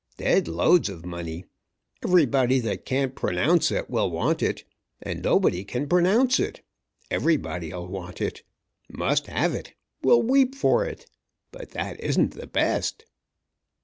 Dead loads of money. Everybody that can't pronounce it will want it, and nobody can pronounce it everybody'll want it. Must have it. Will weep for it. But that isn't the best!"